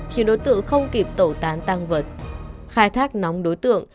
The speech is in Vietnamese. khi đối tượng không kịp tổ tán tăng vật khai thác nóng đối tượng